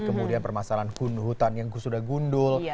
kemudian permasalahan hutan yang sudah gundul